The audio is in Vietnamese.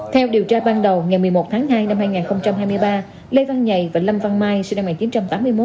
theo điều tra ban đầu ngày một mươi một tháng hai năm hai nghìn hai mươi ba lê văn nhầy và lâm văn mai sinh năm một nghìn chín trăm tám mươi một